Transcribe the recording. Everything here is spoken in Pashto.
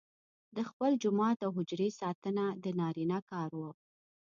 د خپل جومات او حجرې ساتنه د نارینه کار وو.